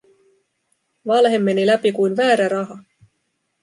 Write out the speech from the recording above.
Valhe meni läpi kuin väärä raha.